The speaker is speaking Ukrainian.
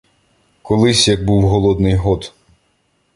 Колись як був голодний год.